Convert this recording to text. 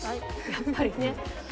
やっぱりね。